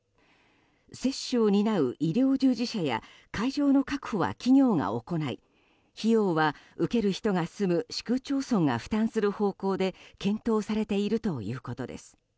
接種を担う医療従事者や会場の確保は企業が行い費用は、受ける人が住む市区町村が負担する方向で検討されているということです。